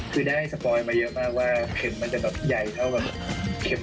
คือได้สปอยมาเยอะมากว่าเข็มมันจะแบบใหญ่เท่ากับเข็ม